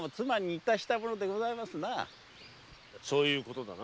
そういうことだな。